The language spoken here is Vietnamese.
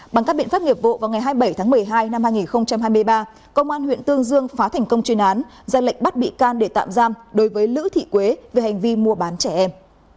bằng các biện pháp nghiệp vụ vào ngày hai mươi bảy tháng một mươi hai năm hai nghìn hai mươi ba công an huyện tương dương phá thành công chuyên án ra lệnh bắt bị can để tạm giam đối với lữ thị quế về hành vi mua bán trẻ em